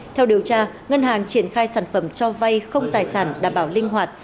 theo điều tra ngân hàng triển khai sản phẩm cho vay không tài sản đảm bảo linh hoạt